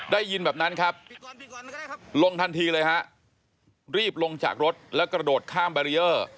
ได้ยินแบบนั้นครับลงทันทีเลยฮะรีบลงจากรถแล้วกระโดดข้ามบารีเออร์